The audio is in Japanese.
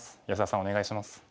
安田さんお願いします。